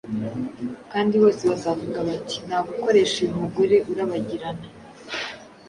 Kandi bose bazavuga bati: 'Nta gukoresha uyu mugore urabagirana